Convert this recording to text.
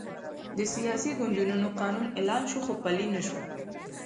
د سیاسي ګوندونو قانون اعلان شو، خو پلی نه شو.